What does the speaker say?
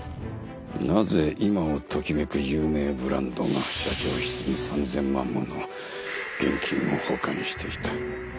なぜ今をときめく有名ブランドが社長室に３０００万もの現金を保管していた。